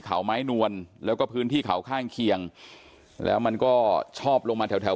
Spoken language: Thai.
เขาไม้นวลแล้วก็พื้นที่เขาข้างเคียงแล้วมันก็ชอบลงมาแถวแถว